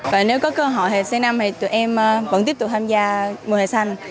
và nếu có cơ hội thì c năm thì tụi em vẫn tiếp tục tham gia mùa hè xanh